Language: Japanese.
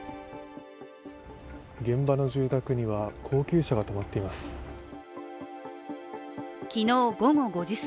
現場の住宅には高級車が止まっています。